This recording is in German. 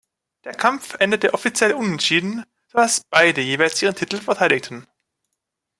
Der Kampf endete offiziell unentschieden, so dass beide jeweils ihren Titel verteidigten.